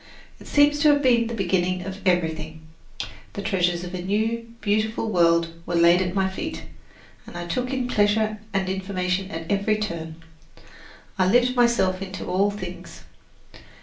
It seems to have been the beginning of everything. The treasures of a new, beautiful world were laid at my feet, and I took in pleasure and information at every turn. I lived myself into all things.